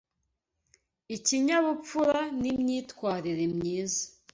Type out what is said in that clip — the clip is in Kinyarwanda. ikinyabupfura n’imyitwarire myiza